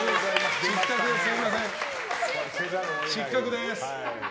失格です。